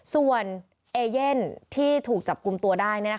ส่วนเอเย่นที่ถูกจับกลุ่มตัวได้